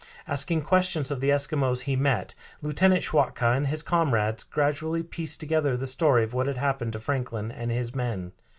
Asking questions of the Eskimos he met, Lieutenant Schwatka and his comrades gradually pieced together the story of what had happened to Franklin and his men.